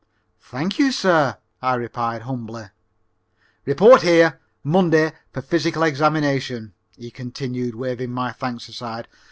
"Thank you, sir," I replied humbly. "Report here Monday for physical examination," he continued, waving my thanks aside.